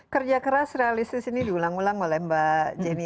kerja keras realistis ini diulang ulang oleh mbak jenny